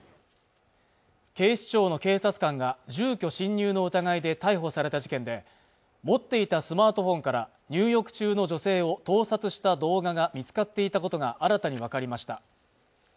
警視庁の警察官が住居侵入の疑いで逮捕された事件で持っていたスマートフォンから入浴中の女性を盗撮した動画が見つかっていたことが新たに分かりました